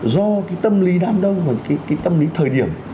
do cái tâm lý đám đông và cái tâm lý thời điểm